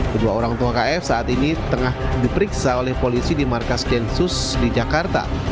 kedua orang tua kf saat ini tengah diperiksa oleh polisi di markas densus di jakarta